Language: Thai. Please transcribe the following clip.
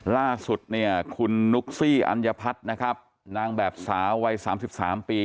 ล่าสุดเนี่ยคุณนุ๊กซี่อัญพัฒน์นะครับนางแบบสาววัย๓๓ปี